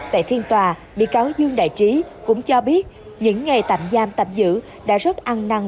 tại phiên tòa bị cáo dương đại trí cũng cho biết những ngày tạm giam tạm giữ đã rất ăn năng